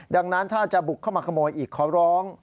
ดังนั้นถ้าจะบุกเข้ามาขโมยอีกขอร้อง